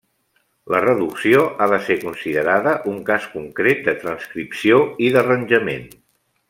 La reducció ha de ser considerada un cas concret de transcripció i d'arranjament.